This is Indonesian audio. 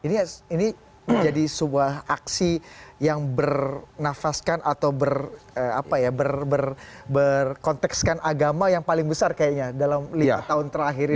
ini menjadi sebuah aksi yang bernafaskan atau berkontekskan agama yang paling besar kayaknya dalam lima tahun terakhir ini